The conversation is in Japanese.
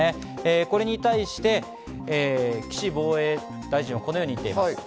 これに対して、岸防衛大臣はこのように言っています。